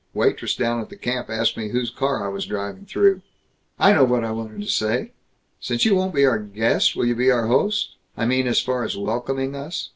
Waitress down at the camp asked me whose car I was driving through." "I know what I wanted to say. Since you won't be our guest, will you be our host I mean, as far as welcoming us?